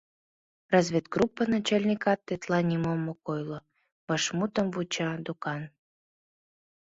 Разведгруппа начальникат тетла нимом ок ойло, вашмутым вуча, докан.